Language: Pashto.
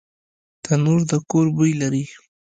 تنور د کور بوی لري